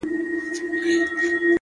زه چي سهار له خوبه پاڅېږمه!